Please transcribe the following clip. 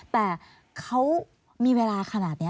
แต่เขามีเวลาขนาดนี้